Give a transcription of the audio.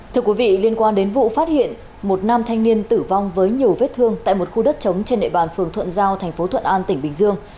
thưa quý vị liên quan đến vụ phát hiện một nam thanh niên tử vong với nhiều vết thương tại một khu đất chống trên nệ bàn phường thuận giao thành phố thuận an tỉnh bình dương